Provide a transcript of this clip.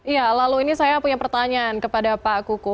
iya lalu ini saya punya pertanyaan kepada pak kuku